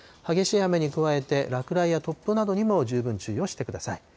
激しい雨に加えて、落雷や突風などにも十分注意をしてください。